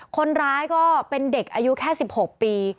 คนร้ายก็เป็นเด็กอายุแค่๑๖ปี